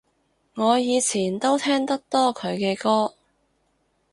我以前都聽得多佢嘅歌